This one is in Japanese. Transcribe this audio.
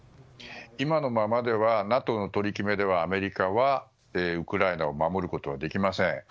今のままではＮＡＴＯの取り決めではアメリカは、ウクライナを守ることはできません。